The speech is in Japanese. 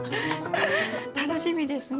楽しみですね。